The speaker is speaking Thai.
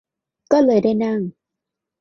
ก็เลยได้นั่ง